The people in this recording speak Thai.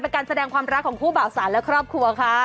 การแสดงความรักของคู่บ่าวสารและครอบครัวค่ะ